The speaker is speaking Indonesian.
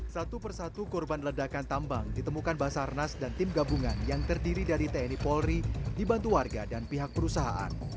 satu persatu korban ledakan tambang ditemukan basarnas dan tim gabungan yang terdiri dari tni polri dibantu warga dan pihak perusahaan